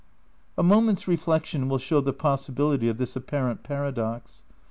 A moment's reflection will show the possibility of this apparent paradox.